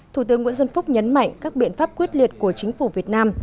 thủ tướng nguyễn xuân phúc nhấn mạnh các biện pháp quyết liệt của chính phủ việt nam